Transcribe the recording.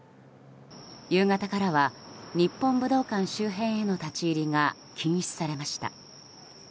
夕方からは日本武道館周辺への立ち入りが禁止されました。